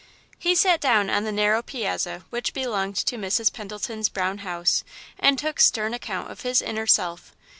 He sat on the narrow piazza which belonged to Mrs. Pendleton's brown house, and took stern account of his inner self.